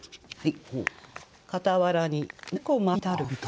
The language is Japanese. はい。